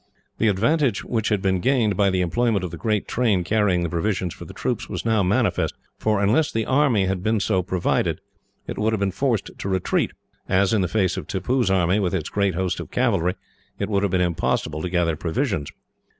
The advantage which had been gained, by the employment of the great train carrying the provisions for the troops, was now manifest; for, unless the army had been so provided, it would have been forced to retreat; as, in the face of Tippoo's army, with its great host of cavalry, it would have been impossible to gather provisions.